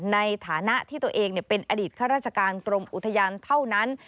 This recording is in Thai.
ในฐานะที่ตัวเองเป็นอดีตข้าราชการกรมอุทยานเท่านั้น